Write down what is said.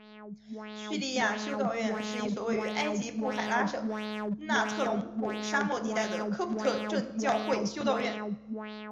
叙利亚修道院是一所位于埃及布海拉省纳特隆谷沙漠地带的科普特正教会修道院。